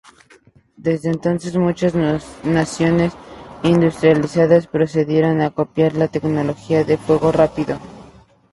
Desde entonces, muchas naciones industrializadas procedieron a copiar la tecnología de fuego rápido.